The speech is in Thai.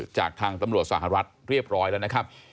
จากทางตำรวจสหรัฐเรียบร้อยแล้วนะครับ